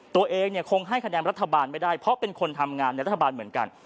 ตัวเองเนี่ยคงให้คะแนนรัฐบาลไม่ได้เพราะเป็นคนทำงานในรัฐบาลเหมือนกัน